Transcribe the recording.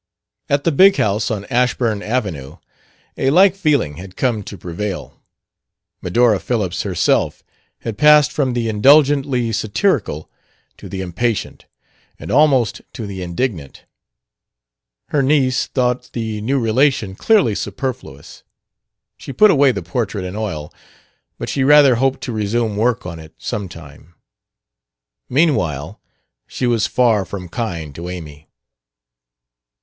At the big house on Ashburn Avenue a like feeling had come to prevail. Medora Phillips herself had passed from the indulgently satirical to the impatient, and almost to the indignant. Her niece thought the new relation clearly superfluous. She put away the portrait in oil, but she rather hoped to resume work on it, some time. Meanwhile, she was far from kind to Amy.